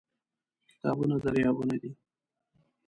کتابونه دریابونه دي.